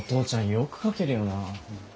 よく描けるよな。